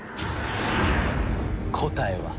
答えは。